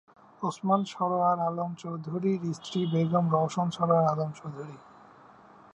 ওসমান সরওয়ার আলম চৌধুরীর স্ত্রী বেগম রওশন সরওয়ার আলম চৌধুরী।